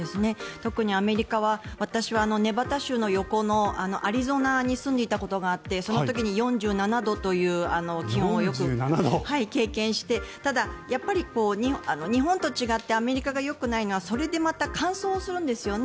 特にアメリカは私は、ネバダ州の横のアリゾナに住んでいたことがあってその時に４７度という気温を経験してただ、日本と違ってアメリカがよくないのはそれでまた乾燥するんですよね。